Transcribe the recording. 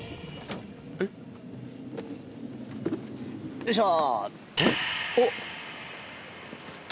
よいしょ。